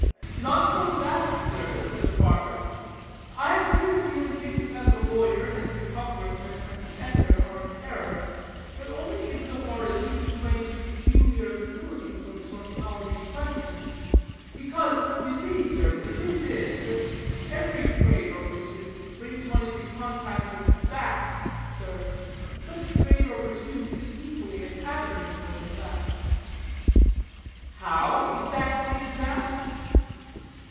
"Not so fast, sir," said the barber; "I agree with you in thinking that the lawyer, and the congressman, and the editor, are in error, but only in so far as each claims peculiar facilities for the sort of knowledge in question; because, you see, sir, the truth is, that every trade or pursuit which brings one into contact with the facts, sir, such trade or pursuit is equally an avenue to those facts." "How exactly is that?"